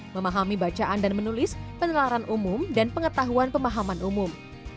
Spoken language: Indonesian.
memahami bacaan dan menulis penelaran umum dan pengetahuan pemahaman umum